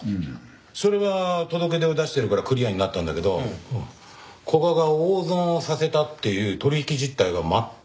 それは届け出を出してるからクリアになったんだけど古賀が大損をさせたっていう取引実態が全く出てこないんだ。